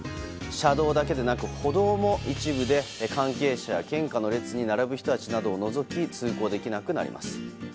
車道だけでなく歩道も一部で関係者、献花の列に並ぶ人たちなどを除き通行できなくなります。